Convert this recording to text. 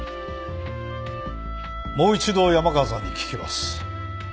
もう一度山川さんに聞きます。